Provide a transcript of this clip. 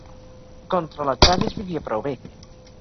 Contra l'atzar es vivia prou bé.